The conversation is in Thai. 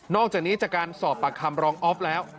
อกจากนี้จากการสอบปากคำรองออฟแล้ว